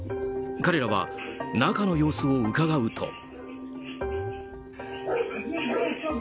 彼らは中の様子をうかがうと。